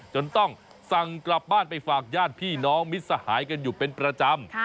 จนต้องสั่งกลับบ้านไปฝากญาติพี่น้องมิตรสหายกันอยู่เป็นประจำ